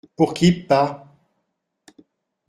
Pour qui, p’pa ?